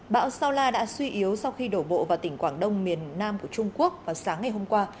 bão sao la đã suy yếu sau khi đổ bộ vào tỉnh quảng đông miền nam của trung quốc vào sáng ngày hôm qua